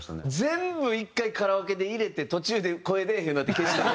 全部１回カラオケで入れて途中で声出えへんなって消した。